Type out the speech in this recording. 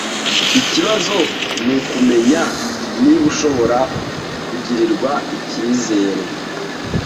Ikibazo ni ukumenya niba ashobora kugirirwa ikizere.